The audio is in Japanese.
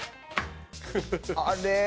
「あれ？」